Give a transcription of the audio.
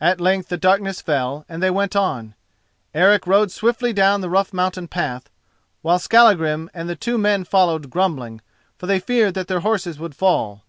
At length the darkness fell, and they went on. Eric rode swiftly down the rough mountain path, while Skallagrim and the two men followed grumbling, for they feared that their horses would fall.